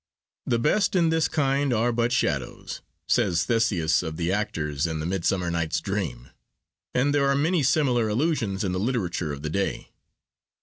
'The best in this kind are but shadows,' says Theseus of the actors in the Midsummer Night's Dream, and there are many similar allusions in the literature of the day.